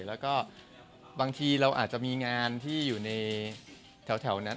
แล้วก็บางทีเราอาจจะมีงานที่อยู่ในแถวนั้น